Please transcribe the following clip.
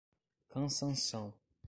Cansanção